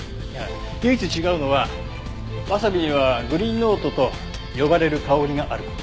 唯一違うのはワサビにはグリーンノートと呼ばれる香りがある事。